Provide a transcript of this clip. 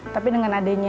tapi dengan adanya